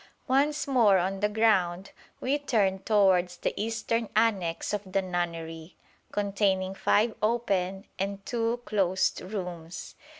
Once more on the ground, we turned towards the eastern annexe of the nunnery, containing five open and two closed rooms.